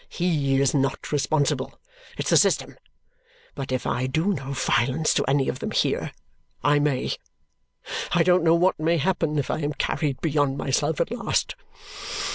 HE is not responsible. It's the system. But, if I do no violence to any of them, here I may! I don't know what may happen if I am carried beyond myself at last!